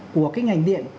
của cái ngành điện